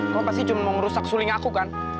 kau pasti cuma mau ngerusak suling aku kan